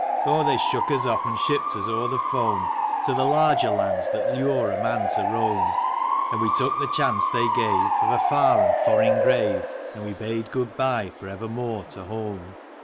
Oh, they shook us off and shipped us o'er the foam. To the larger lands that lure a man to roam; And we took the chance they gave. Of a far and foreign grave, And we bade good bye for evermore to home.